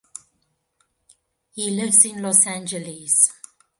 He lives in Los Angeles.